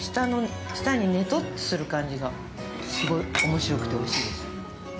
舌に、ねとっする感じがすごいおもしろくておいしいです。